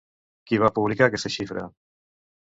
Qui va publicar aquesta xifra?